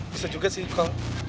bisa juga sih kong